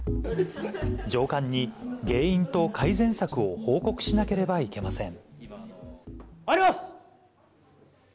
上官に原因と改善策を報告しなければいけません。